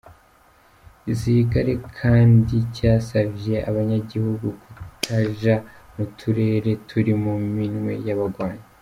Igisirikare kandi casavye abanyagihugu kutaja mu turere turi mu minwe y’abagwanyi.